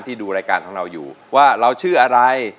ดูรายการของเราอยู่ว่าเราชื่ออะไร